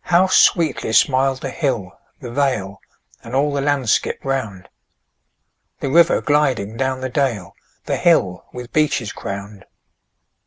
How sweetly smil'd the hill, the vale, And all the landskip round! The river gliding down the dale! The hill with beeches crown'd!